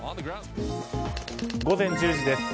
午前１０時です。